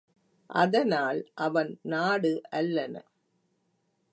அதனால், அவன் நாடு அல்லன.